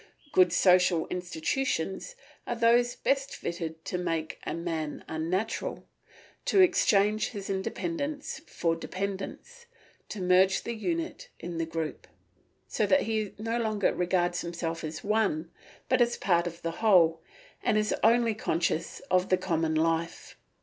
Good social institutions are those best fitted to make a man unnatural, to exchange his independence for dependence, to merge the unit in the group, so that he no longer regards himself as one, but as a part of the whole, and is only conscious of the common life.